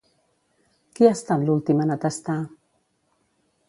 Qui ha estat l'últim en atestar?